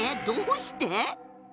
どうして？